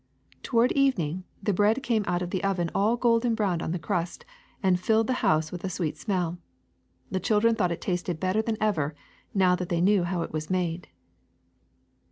'' BREAD 265 Toward evening the bread came out of the oven all golden brown on the crust, and filled the house with a sweet smell. The children thought it tasted better than ever, now that they knew how it was made.